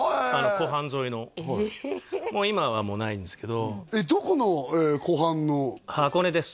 湖畔沿いの今はもうないんですけどえっどこの湖畔の箱根です